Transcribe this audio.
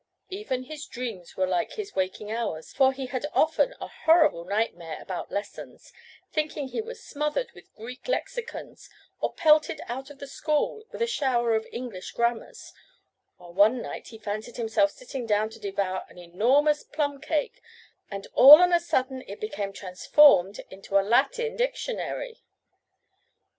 Even his dreams were like his waking hours, for he had often a horrible nightmare about lessons, thinking he was smothered with Greek lexicons or pelted out of the school with a shower of English grammars, while one night he fancied himself sitting down to devour an enormous plum cake, and all on a sudden it became transformed into a Latin dictionary.